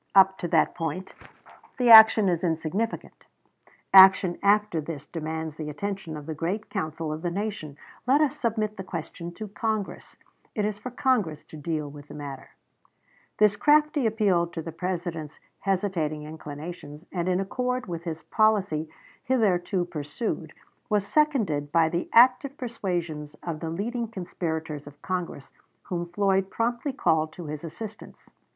Up to that point the action is insignificant. Action after this demands the attention of the great council of the nation. Let us submit the question to Congress it is for Congress to deal with the matter." Floyd's Richmond Speech, N.Y. "Herald," Jan. 17, 1861, p. 2. This crafty appeal to the President's hesitating inclinations, and in accord with his policy hitherto pursued, was seconded by the active persuasions of the leading conspirators of Congress whom Floyd promptly called to his assistance.